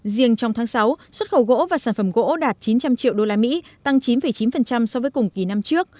riêng trong tháng sáu xuất khẩu gỗ và sản phẩm gỗ đạt chín trăm linh triệu usd tăng chín chín so với cùng kỳ năm trước